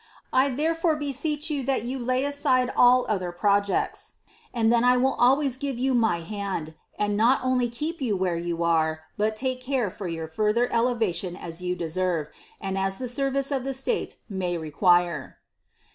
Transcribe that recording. I therefore beseech you that yn will lay aside all other projects, and then 1 wdl always give you m; hand, and not only keep yon where you are, but lakf care for yat further elevation as yoo deserve, and as the service of the slate may n quire."'